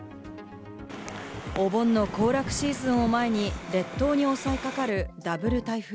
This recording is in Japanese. お盆の行楽シーズンを前に、列島に襲い掛かるダブル台風。